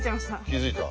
気づいた。